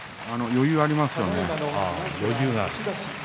余裕がありますね。